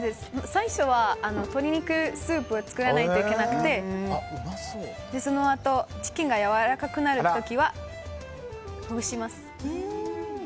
最初は、鶏肉スープを作らないといけなくてそのあとチキンがやわらかくなったらほぐします。